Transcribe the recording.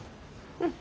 うん。